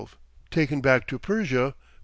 TAKEN BACK TO PERSIA.